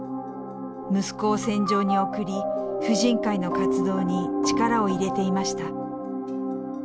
息子を戦場に送り婦人会の活動に力を入れていました。